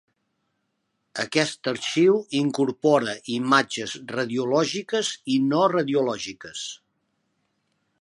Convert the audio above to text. Aquest arxiu incorpora imatges radiològiques i no radiològiques.